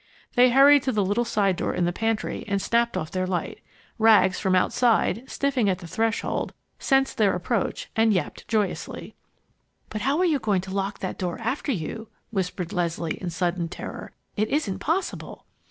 They hurried to the little side door in the pantry and snapped off their light. Rags, from the outside, sniffing at the threshold, sensed their approach and yapped joyously. "But how are you going to lock that door after you?" whispered Leslie, in sudden terror. "It isn't possible!"